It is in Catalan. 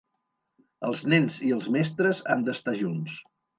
Els nens i els mestres han d'estar junts.